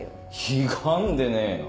ひがんでねえよ。